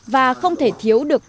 và không thể thiếu được